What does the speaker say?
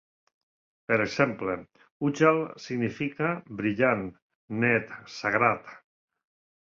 Per exemple, Ujjal significa "brillant, net, sagrat".